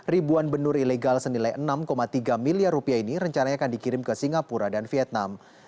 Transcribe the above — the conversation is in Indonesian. ribuan benur ilegal senilai enam tiga miliar rupiah ini rencananya akan dikirim ke singapura dan vietnam